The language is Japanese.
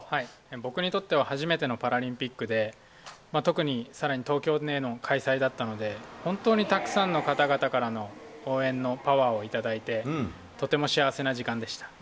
僕とっては初めてのパラリンピックで、東京での開催だったので本当にたくさんの方々からの応援のパワーをいただいて、とても幸せな時間でした。